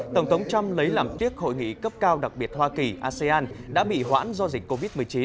tổng thống trump lấy làm tiếc hội nghị cấp cao đặc biệt hoa kỳ asean đã bị hoãn do dịch covid một mươi chín